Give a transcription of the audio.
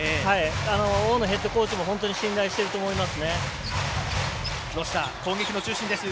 大野ヘッドコーチも本当に信頼していると思います。